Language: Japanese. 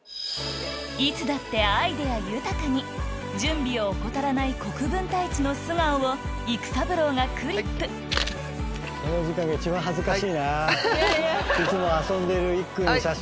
いつだってアイデア豊かに準備を怠らない国分太一の素顔を育三郎がクリップいやいや。